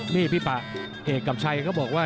พี่ป่าเฮกกับชัยเขาก็บอกว่า